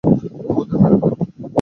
ও ওদেরও মেরে ফেলবে।